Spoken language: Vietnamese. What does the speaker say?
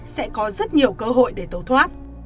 sẽ có rất nhiều cơ hội để tấu thoát